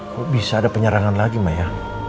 kok bisa ada penyerangan lagi maya